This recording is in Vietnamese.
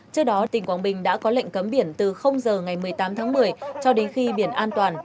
trước đó tỉnh quảng bình đã có lệnh cấm biển từ giờ ngày một mươi tám tháng một mươi cho đến khi biển an toàn